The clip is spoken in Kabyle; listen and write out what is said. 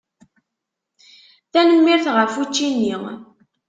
Tanemmirt ɣef učči-nni.